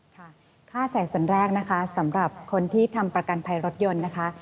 ค่าแสนส่วนแรกนะคะสำหรับคนที่ทำประกันภัยรถยนต์นะคะ